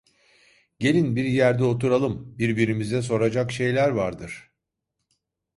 Gelin bir yerde oturalım; birbirimize soracak şeyler vardır…